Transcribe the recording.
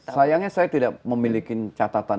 sayangnya saya tidak memiliki catatan